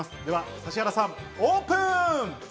指原さん、オープン！